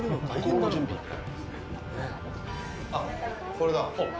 これだ。